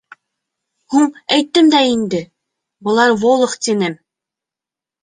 Һуң, әйттем дә инде: былар волох тинем.